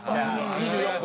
２４個。